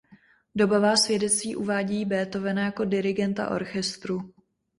Dobová svědectví uvádějí Beethovena jako dirigenta orchestru.